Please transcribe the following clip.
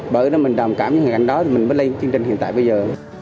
bởi đó mình đồng cảm với hoàn cảnh đó mình mới lên chương trình hiện tại bây giờ